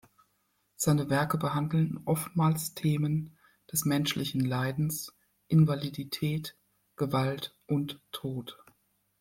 Seine Werke behandeln oftmals Themen des menschlichen Leidens, Invalidität, Gewalt und Tod.